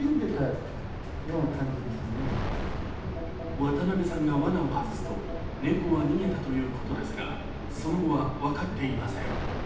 渡邉さんがわなを外すと猫は逃げたということですがその後は分かっていません。